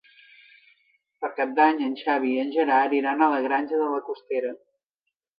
Per Cap d'Any en Xavi i en Gerard iran a la Granja de la Costera.